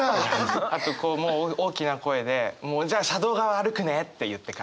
あとこうもう大きな声で「もうじゃあ車道側歩くね！」って言って。